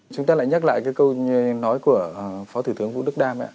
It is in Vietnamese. chúng ta lại nhắc lại cái câu nói của phó thủ tướng vũ đức đam